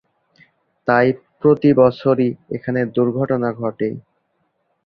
তাই প্রতি বছরই এখানে দুর্ঘটনা ঘটে।